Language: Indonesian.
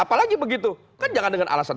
apalagi begitu kan jangan dengan alasan